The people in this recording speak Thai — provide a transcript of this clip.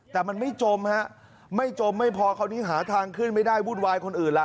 แต่มันไม่จมฮะไม่จมไม่พอคราวนี้หาทางขึ้นไม่ได้วุ่นวายคนอื่นล่ะ